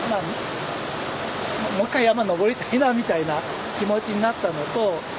「もう一回山登りたいな」みたいな気持ちになったのと。